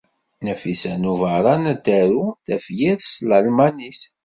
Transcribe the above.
Nafisa n Ubeṛṛan ad taru tafyirt s tlalmanit.